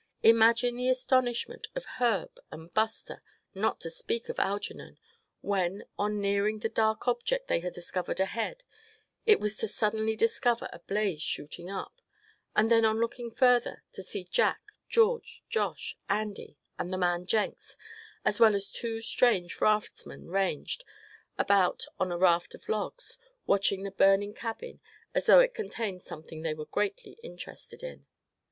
Imagine the astonishment of Herb and Buster, not to speak of Algernon, when, on nearing the dark object they had discovered ahead, it was to suddenly discover a blaze shooting up; and then on looking further to see Jack, George, Josh, Andy and the man Jenks, as well as two strange raftsmen ranged, about on a raft of logs, watching the burning cabin, as though it contained something they were greatly interested in.